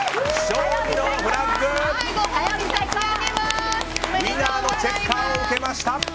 ウィナーのチェッカーを受けました！